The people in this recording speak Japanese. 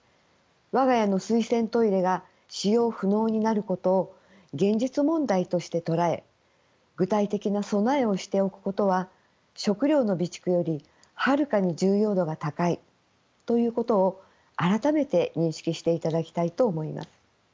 我が家の水洗トイレが使用不能になることを現実問題として捉え具体的な備えをしておくことは食料の備蓄よりはるかに重要度が高いということを改めて認識していただきたいと思います。